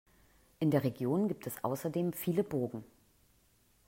In der Region gibt es außerdem viele Burgen.